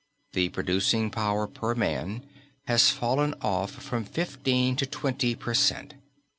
The producing power per man has fallen off from fifteen to twenty per cent.